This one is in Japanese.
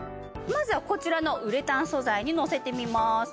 まずはこちらのウレタン素材にのせてみます。